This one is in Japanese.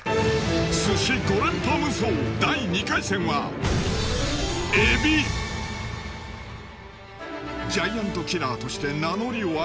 鮨５連覇無双第２回戦はジャイアントキラーとして名乗りを上げたのは